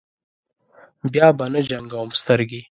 بیا به نه جنګوم سترګې.